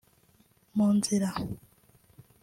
mu nzira